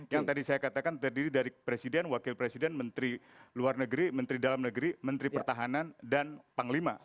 yang tadi saya katakan terdiri dari presiden wakil presiden menteri luar negeri menteri dalam negeri menteri pertahanan dan panglima